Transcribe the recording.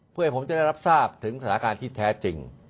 เพื่อให้ผมจะได้รับทราบถึงสถานการณ์ที่แท้จริง